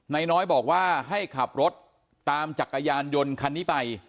นายน้อยบอกว่าให้ขับรถตามจักรยานยนต์คันนี้ไป